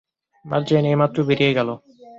মার্জেইন এইমাত্র বেরিয়ে গেলো।